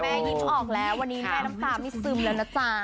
ยิ้มออกแล้ววันนี้แม่น้ำตาไม่ซึมแล้วนะจ๊ะ